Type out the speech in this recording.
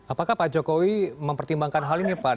apakah pak jokowi mempertimbangkan hal ini pak